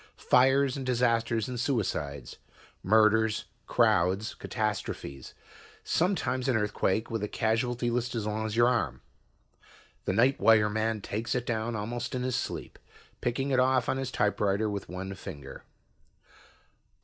Fires and disasters and suicides. Murders, crowds, catastrophes. Sometimes an earthquake with a casualty list as long as your arm. The night wire man takes it down almost in his sleep, picking it off on his typewriter with one finger.